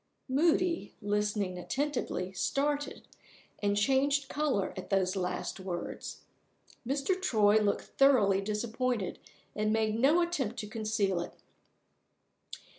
Moody, listening attentively, started, and changed color at those last words. Mr. Troy looked thoroughly disappointed and made no attempt to conceal it.